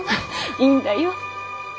いいんだよ。